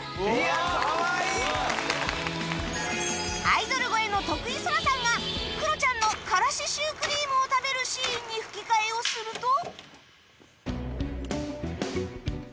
アイドル声の徳井青空さんがクロちゃんのからしシュークリームを食べるシーンに吹き替えをすると